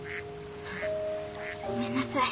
ごめんなさい。